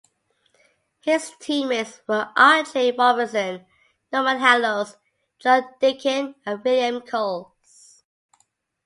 His team-mates were Archie Robertson, Norman Hallows, Joe Deakin and William Coales.